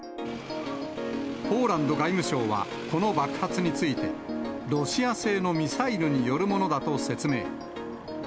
ポーランド外務省はこの爆発について、ロシア製のミサイルによるものだと説明。